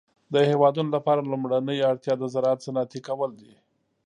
د هيوادونو لپاره لومړنۍ اړتيا د زراعت صنعتي کول دي.